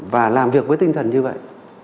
và làm việc với tinh thần như vậy